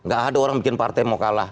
gak ada orang bikin partai mau kalah